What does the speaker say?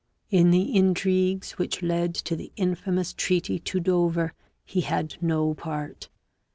In the intrigues which led to the infamous treaty to Dover he had no part.